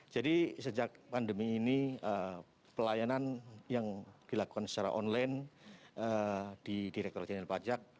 sejak pandemi ini pelayanan yang dilakukan secara online di direktur jenderal pajak